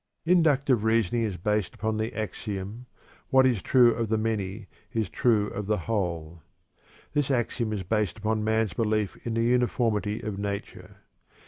Inductive reasoning is based upon the axiom: "What is true of the many is true of the whole." This axiom is based upon man's belief in the uniformity of nature.